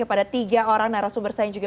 kepada tiga orang narasumber saya yang juga